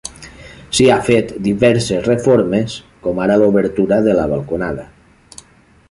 S'hi ha fet diverses reformes, com ara l'obertura de la balconada.